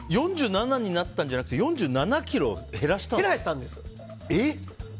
４７になったんじゃなくて４７ｋｇ減らした？